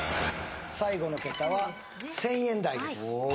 最後の桁は１０００円台です